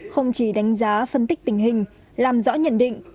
không chỉ đánh giá phân tích tình hình làm rõ nhận định